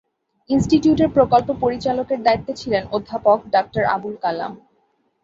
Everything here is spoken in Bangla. ইনস্টিটিউটের প্রকল্প পরিচালকের দায়িত্বে ছিলেন অধ্যাপক ডাক্তার আবুল কালাম।